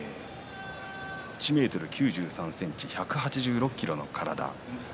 １ｍ９３ｃｍ１８６ｋｇの体。